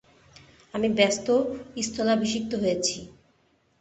আমি ব্যস স্থলাভিষিক্ত হয়েছি।